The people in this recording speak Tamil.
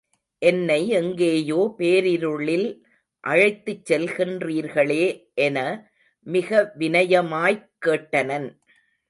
என்னை எங்கேயோ பேரிருளில் அழைத்துச் செல்லுகின்றீர்களே. என மிக விநயமாய்க் கேட்டனன்.